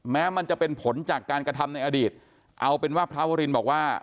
แม้มันจะเป็นผลจากการกระทำในอดีตเอาเป็นว่าพระวรินบอกว่า